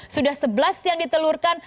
sudah sebelas yang ditelurkan